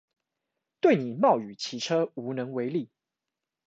對你冒雨騎車無能為力